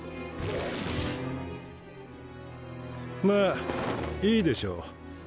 まあいいでしょう。